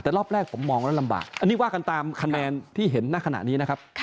แต่รอบแรกผมมองแล้วลำบากอันนี้ว่ากันตามคะแนนที่เห็นณขณะนี้นะครับ